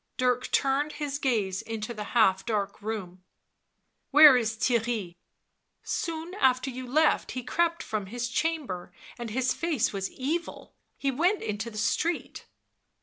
Dirk turned his gaze into the half dark room. " Where is Theirry ?" u Soon after you left he crept from his chamber* and his face was evil — he went into the street."